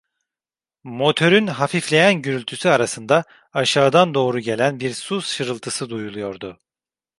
Motörün hafifleyen gürültüsü arasında aşağıdan doğru gelen bir su şırıltısı duyuluyordu.